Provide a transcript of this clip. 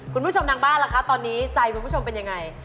คุณผู้ชมนางบ้านตอนนี้ใจคุณผู้ชมเป็นอย่างไร